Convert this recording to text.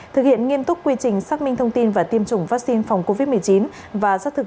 thực hiện nghiêm túc quy trình xác minh thông tin và tiêm chủng vaccine phòng covid một mươi chín và xác thực